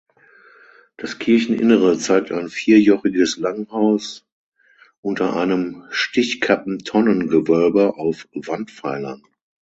Das Kircheninnere zeigt ein vierjochiges Langhaus unter einem Stichkappentonnengewölbe auf Wandpfeilern.